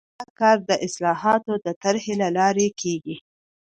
دا کار د اصلاحاتو د طرحې له لارې کیږي.